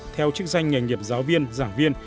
theo chức danh ngành nghiệp giáo viên giảng viên